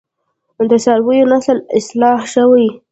د څارویو نسل اصلاح شوی؟